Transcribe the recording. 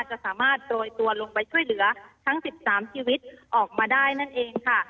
จะสามารถโรยตัวลงไปช่วยเหลือทั้ง๑๓ชีวิตออกมาได้นั่นเองค่ะ